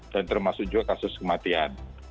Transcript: dan termasuk juga kasus kematian